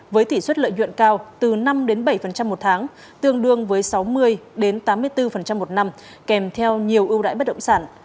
với tỷ suất lợi nhuận cao từ năm bảy một tháng tương đương với sáu mươi tám mươi bốn một năm kèm theo nhiều ưu đãi bất động sản